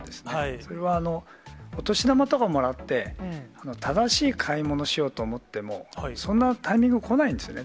それはお年玉とかもらって、正しい買い物しようと思っても、そんなタイミング、来ないんですよね。